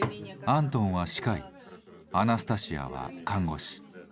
アントンは歯科医アナスタシアは看護師。